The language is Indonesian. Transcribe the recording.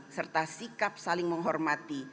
serta sikap saling menghormati